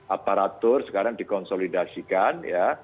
aparatur sekarang dikonsolidasikan ya